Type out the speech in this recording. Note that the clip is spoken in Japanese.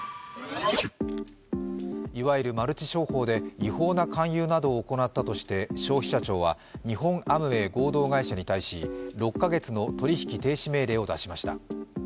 いわゆるマルチ商法で違法な勧誘などを行ったとして消費者庁は日本アムウェイ合同会社に対し６か月の取り引き停止命令を出しました。